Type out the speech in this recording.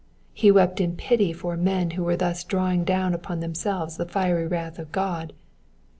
He wept in pity for men who were thus drawing down upon themselves the fiery wrath 6f God.